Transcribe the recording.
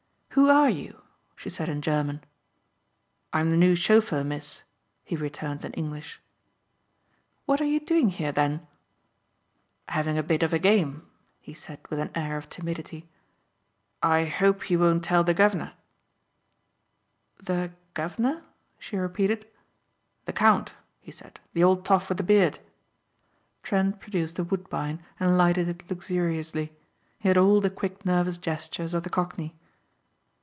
"Who are you?" she said in German. "I'm the new chauffeur, miss," he returned in English. "What are you doing here, then?" "Having a bit of a game," he said with an air of timidity. "I hope you won't tell the guv'nor." "The guv'nor?" she repeated. "The count," he said, "the old toff with the beard." Trent produced a Woodbine and lighted it luxuriously. He had all the quick nervous gestures of the cockney.